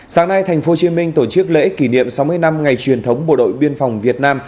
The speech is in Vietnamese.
sáng nay thành phố hồ chí minh tổ chức lễ kỷ niệm sáu mươi năm ngày truyền thống bộ đội biên phòng việt nam